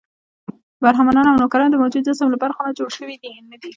برهمنان او نوکران د موجود جسم له برخو نه جوړ شوي نه دي.